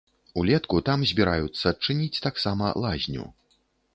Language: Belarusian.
Улетку там збіраюцца адчыніць таксама лазню.